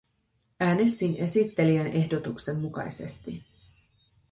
Äänestin esittelijän ehdotuksen mukaisesti.